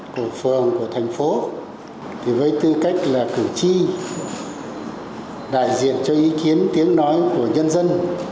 của phường của thành phố với tư cách là cử tri đại diện cho ý kiến tiếng nói của nhân dân